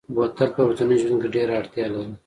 بوتل په ورځني ژوند کې ډېره اړتیا لري.